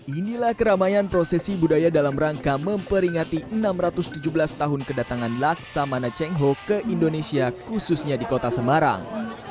inilah keramaian prosesi budaya dalam rangka memperingati enam ratus tujuh belas tahun kedatangan laksamana cheng ho ke indonesia khususnya di kota semarang